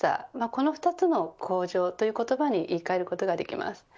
この２つの向上という言葉に言い換えることができます。